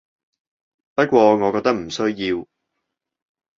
不過我覺得唔需要